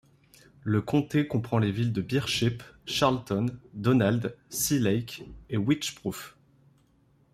Le comté comprend les villes de Birchip, Charlton, Donald, Sea Lake et Wycheproof.